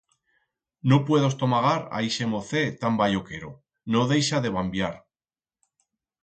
No puedo estomagar a ixe mocet tan balloquero, no deixa de bambiar.